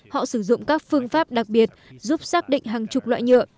họ sử dụng các phương pháp đặc biệt giúp xác định hàng chục loại nhựa